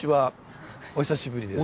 お久しぶりです。